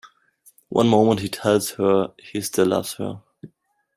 One moment he tells her he still loves her.